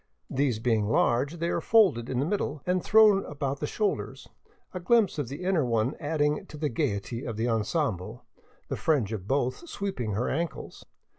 These being large, they are folded in the middle and thrown about the shoulders, a glimpse of the inner one adding to the gaiety of the ensemble, the fringe of both sweeping her ankles.